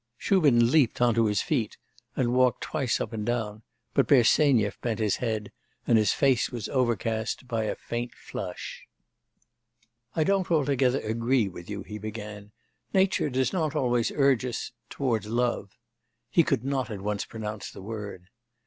Shubin leaped on to his feet and walked twice up and down, but Bersenyev bent his head, and his face was overcast by a faint flush. 'I don't altogether agree with you,' he began: 'nature does not always urge us... towards love.' (He could not at once pronounce the word.)